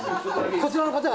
こちらの方々は。